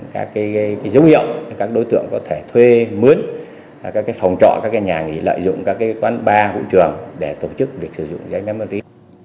các dấu hiệu các đối tượng có thể thuê mướn các phòng trọ các nhà nghỉ lợi dụng các quán bar vũ trường để tổ chức việc sử dụng giấy phép ma túy